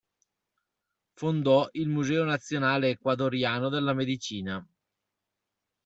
Fondò il "Museo Nazionale Ecuadoriano della Medicina".